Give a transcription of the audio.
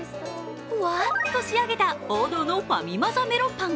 ふわぁと仕上げた王道のファミマ・ザ・メロンパン。